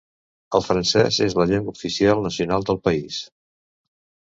El francès és la llengua oficial nacional del país.